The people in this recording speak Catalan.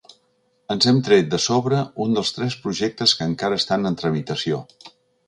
Ens hem tret de sobre un dels tres projectes que encara estan en tramitació.